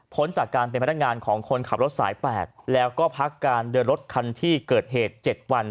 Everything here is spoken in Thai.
จากการเป็นพนักงานของคนขับรถสาย๘แล้วก็พักการเดินรถคันที่เกิดเหตุ๗วัน